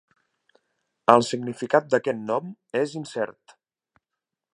El significat d"aquest nom és incert.